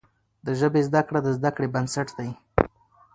د ژبي زده کړه د زده کړې بنسټ دی.